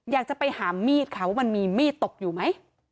อยากจะไปหามีดเขามันมีมีดตกอยู่ไหม